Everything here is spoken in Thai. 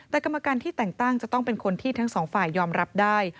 แต่กรรมการที่แต่งตั้งจะต้องเป็นคนที่ทั้งสองฝ่ายยอมรับได้